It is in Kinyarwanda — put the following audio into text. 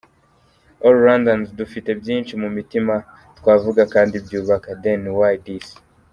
All rwandans dufite byinshi mu mitima twavuga kandi byubaka, then why this »?